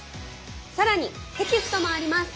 更にテキストもあります。